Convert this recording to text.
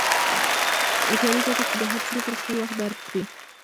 هوښیاري دا ده چې د هر څه لپاره خپل وخت درک کړې.